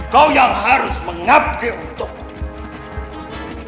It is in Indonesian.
kau yang harus mengabdi untukmu